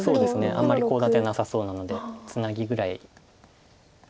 あんまりコウ立てなさそうなのでツナギぐらい。